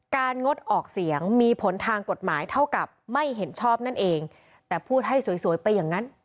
งดออกเสียงมีผลทางกฎหมายเท่ากับไม่เห็นชอบนั่นเองแต่พูดให้สวยสวยไปอย่างนั้น